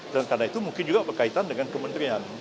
dan karena itu mungkin juga berkaitan dengan kementerian